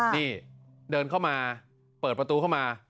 นี่เดินเข้ามาเปิดประตูเข้ามา